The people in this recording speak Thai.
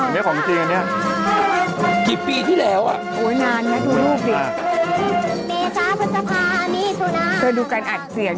มันติดคุกออกไปออกมาได้สองเดือน